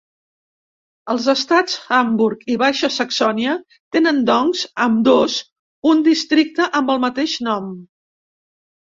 Els estats Hamburg i Baixa Saxònia tenen doncs ambdós un districte amb el mateix nom.